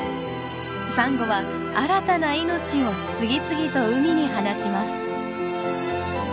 サンゴは新たな命を次々と海に放ちます。